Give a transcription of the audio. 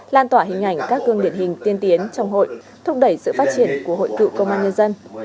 lan tỏa hình ảnh các gương điển hình tiên tiến trong hội thúc đẩy sự phát triển của hội cựu công an nhân dân